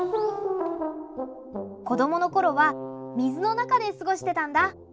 子供の頃は水の中で過ごしてたんだ。